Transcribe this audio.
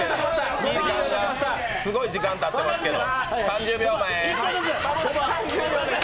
すごい時間たってますけど。